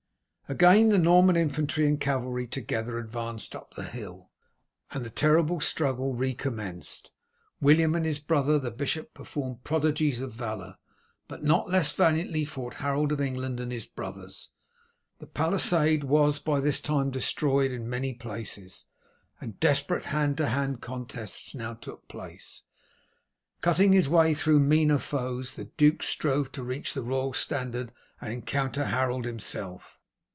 Again the Norman infantry and cavalry together advanced up the hill, and the terrible struggle recommenced. William and his brother the bishop performed prodigies of valour, but not less valiantly fought Harold of England and his brothers. The palisade was by this time destroyed in many places, and desperate hand to hand contests now took place. Cutting his way through meaner foes the duke strove to reach the royal standard and encounter Harold himself.